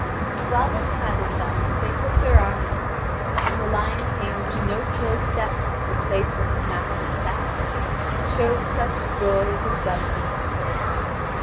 '" While they chatted thus they took their armour off, and the lion came with no slow step to the place where his master sat, and showed such joy as a dumb beast could.